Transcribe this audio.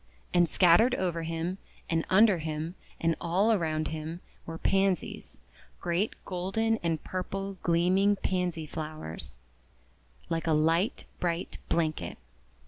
And scattered over him, and under him, and all around him, were Pansies — great golden and purple gleaming Pansy flowers, like a light bright blanket.